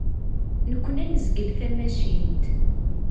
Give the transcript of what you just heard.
Nekni ad nezgel tamacint.